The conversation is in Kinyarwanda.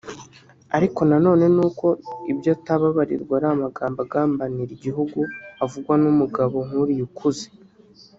Ariko na none n’uko ibyo atababarirwa ari amagambo agambanira igihugu avugwa n’umugabo nkuriya ukuze